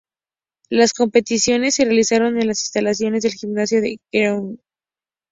Las competiciones se realizaron en las instalaciones del Gimnasio de Gyeongju.